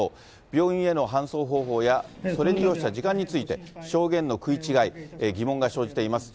病院への搬送方法や、それに要した時間について、証言の食い違い、疑問が生じています。